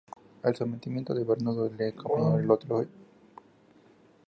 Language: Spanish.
Al sometimiento de Bermudo le acompañó el de otros condes portugueses y gallegos.